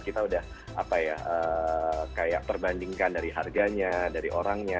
kita udah apa ya kayak perbandingkan dari harganya dari orangnya